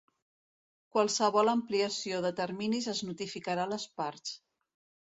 Qualsevol ampliació de terminis es notificarà a les parts.